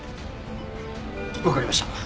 わかりました。